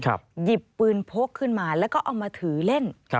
หยิบปืนพกขึ้นมาแล้วก็เอามาถือเล่น